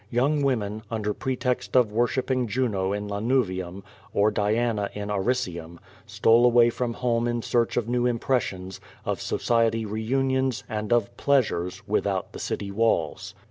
Young women, under pretext of worshiping Juno in Lanuvium, or Diana in Aricium, stole away from home in search of new im pressions, of society reunions, and of pleasures, without the city walls.